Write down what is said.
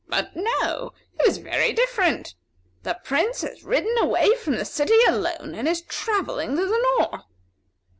"But no; it is very different! 'The Prince has ridden away from the city alone, and is travelling to the north.'"